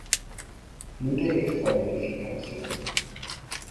Blöde Extra-Verifikation!